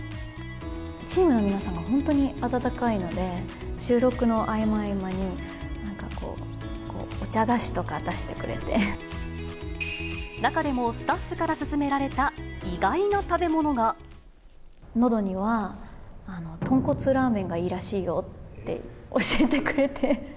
チームの皆さんが本当に温かいので、収録の合間合間に、なんかこう、中でもスタッフから勧められのどには豚骨ラーメンがいいらしいよって教えてくれて。